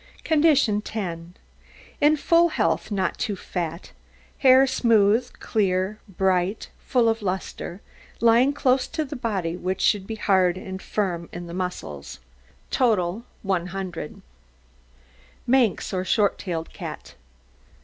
CONDITION 10 In full health, not too fat, hair smooth, clear, bright, full of lustre, lying close to the body, which should be hard and firm in the muscles. TOTAL 100 MANX, OR SHORT TAILED CAT.